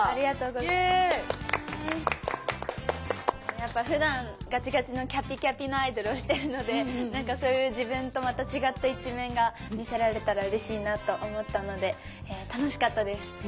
やっぱふだんガチガチのキャピキャピのアイドルをしてるのでなんかそういう自分とまた違った一面が見せられたらうれしいなと思ったので楽しかったです。ね。